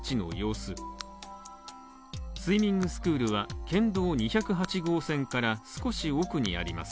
スイミングスクールは、県道２０８号線から少し奥にあります。